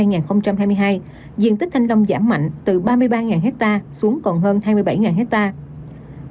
năm hai nghìn hai mươi hai diện tích thanh long giảm mạnh từ ba mươi ba hectare xuống còn hơn hai mươi bảy hectare